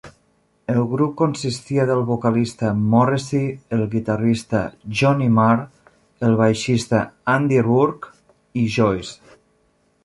El grup consistia del vocalista Morrissey, el guitarrista Johnny Marr, el baixista Andy Rourke i Joyce.